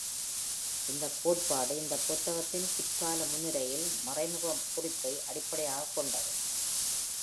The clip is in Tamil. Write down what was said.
இந்த கோட்பாடு இந்த புத்தகத்தின் பிற்கால முன்னுரையில் மறைமுக குறிப்பை அடிப்படையாகக் கொண்டது.